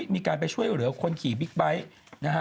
มีการไปช่วยเหลือคนขี่บิ๊กไบท์นะฮะ